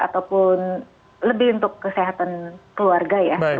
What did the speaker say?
ataupun lebih untuk kesehatan keluarga ya